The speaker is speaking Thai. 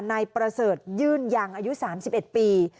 นายประเสริฐยื่นยังอายุ๓๑ปี